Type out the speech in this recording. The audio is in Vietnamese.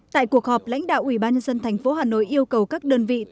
tại cuộc họp lãnh đạo ủy ban nhân dân thành phố hà nội yêu cầu các đơn vị